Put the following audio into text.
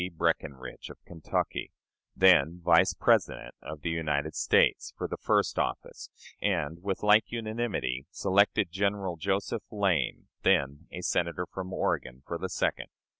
Breckinridge, of Kentucky, then Vice President of the United States, for the first office, and with like unanimity selected General Joseph Lane, then a Senator from Oregon, for the second.